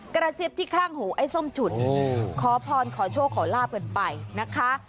กระซิบที่ข้างหูไอ้ส้มฉุนขอพรขอโชคขอลาบกันไปนะคะ